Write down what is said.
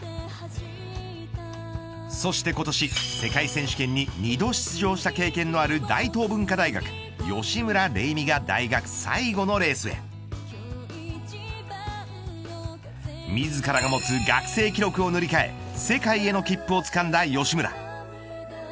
そして今年世界選手権に２度出場した経験のある大東文化大学吉村玲美が大学最後のレースへ自らが持つ学生記録を塗り替え世界への切符をつかんだ吉村。